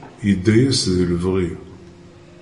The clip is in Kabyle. Yedda-yas di lebɣi.